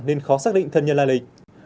nên khó xác định thân nhân lai lịch